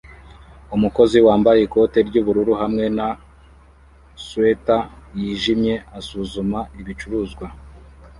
Umukozi wambaye ikote ry'ubururu hamwe na swater yijimye asuzuma ibicuruzwa